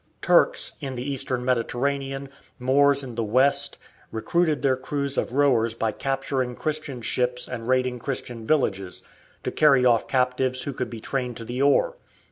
Turks, in the Eastern Mediterranean, Moors in the West, recruited their crews of rowers by capturing Christian ships and raiding Christian villages, to carry off captives who could be trained to the oar.